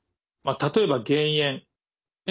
例えば減塩。